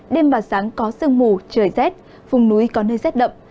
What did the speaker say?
đêm và sáng có sương mù trời rét vùng núi có nơi rét đậm